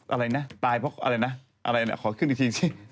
อะไรนะตายเพราะอะไรนะอะไรนะขอขึ้นอีกทีสิ